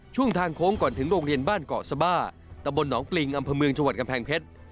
ทางโค้งก่อนถึงโรงเรียนบ้านเกาะสบาตะบลหนองปริงอำเภอเมืองจังหวัดกำแพงเพชร